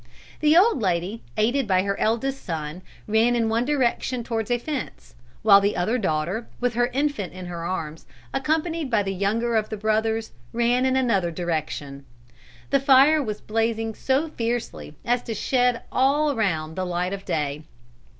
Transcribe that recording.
"The old lady, aided by her eldest son, ran in one direction towards a fence, while the other daughter, with her infant in her arms, accompanied by the younger of the brothers, ran in another direction. The fire was blazing so fiercely as to shed all around the light of day.